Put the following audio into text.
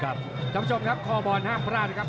ครับต้องชมครับคอล์บอล๕พระราชนะครับ